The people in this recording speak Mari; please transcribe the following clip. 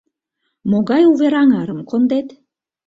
Могай увер-аҥарым кондет?